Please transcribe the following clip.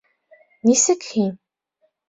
Нисек һин...